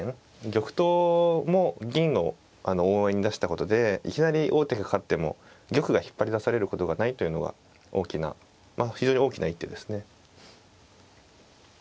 玉頭も銀を応援に出したことでいきなり王手がかかっても玉が引っ張り出されることがないというのが非常に大きな一手ですね。